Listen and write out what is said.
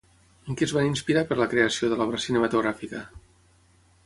En què es van inspirar per la creació de l'obra cinematogràfica?